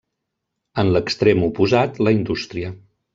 En l'extrem oposat la indústria.